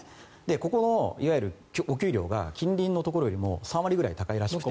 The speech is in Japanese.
ここのいわゆるお給料が近隣のところよりも３割ぐらい高いらしくて。